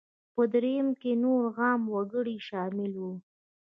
په درېیم کې نور عام وګړي شامل وو.